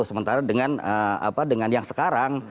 sementara dengan yang sekarang